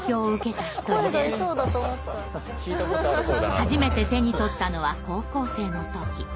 初めて手に取ったのは高校生の時。